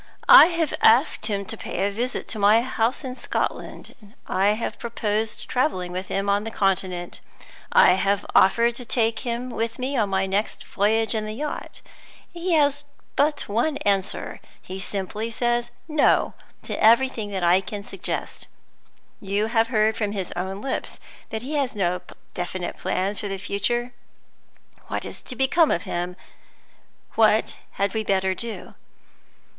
"I have asked him to pay a visit to my house in Scotland; I have proposed traveling with him on the Continent; I have offered to take him with me on my next voyage in the yacht. He has but one answer he simply says No to everything that I can suggest. You have heard from his own lips that he has no definite plans for the future. What is to become of him? What had we better do?"